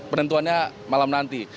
penentuannya malam nanti